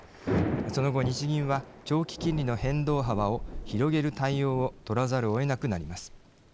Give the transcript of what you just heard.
その後、日銀は長期金利の変動幅を広げる対応をとらざるをえなくなります。